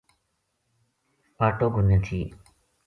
اَٹو گھُنے تھی